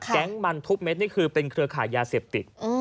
แก๊งมันทุกเม็ดนี่คือเป็นเครือขายยาเสพติด